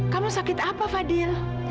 kamu sakit apa fadil